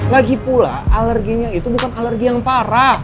lagipula alerginya itu bukan alergi yang parah